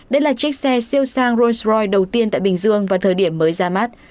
đây là chiếc xe siêu sang rolls royce đầu tiên tại bình dương vào thời điểm mới ra mắt